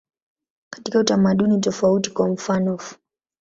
Katika utamaduni tofauti, kwa mfanof.